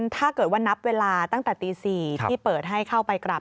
ถ้าเกิดว่านับเวลาตั้งแต่ตี๔ที่เปิดให้เข้าไปกลับ